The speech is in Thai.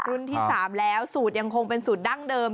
รุ่นที่๓แล้วสูตรยังคงเป็นสูตรดั้งเดิม